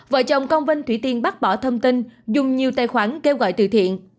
vợ chồng con vinh thủy tiên bác bỏ thông tin dùng nhiều tài khoản kêu gọi từ thiện